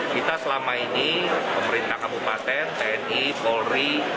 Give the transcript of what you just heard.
kita selama ini pemerintah kabupaten tni polri